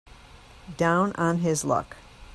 Down on his luck.